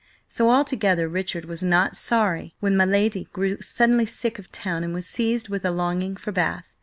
So altogether Richard was not sorry when my lady grew suddenly sick of town and was seized with a longing for Bath.